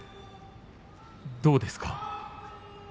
どうですか？